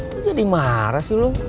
aku jadi marah sih lo